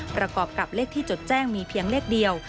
ประกอบกับเลขที่จดแจ้งมีเพียงเลขเดียว